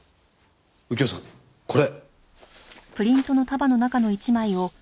右京さんこれ。